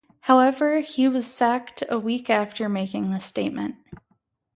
However, he was sacked a week after making this statement.